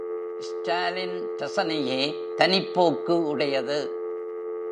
ஸ்டாலின் ரசனையே தனிப்போக்கு உடையது.